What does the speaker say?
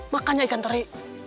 makanya ikan teri